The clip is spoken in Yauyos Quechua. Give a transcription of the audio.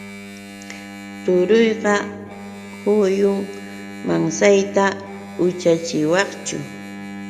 Turuyqa huyum. ¿Mansayta ushachiwaqchu?